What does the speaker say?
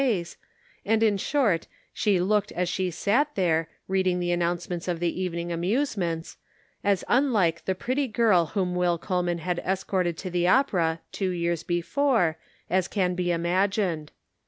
415 face and in short, she looked, as she sat there, reading the announcements of the evening amusements, as unlike the pretty girl whom Will Coleman had escorted to the opera two years before as can be imagined.